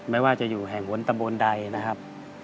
ไม่ว่าจะอยู่แห่งบนตำบลใดนะครับ